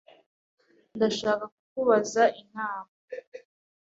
Ndashaka kukubaza inama.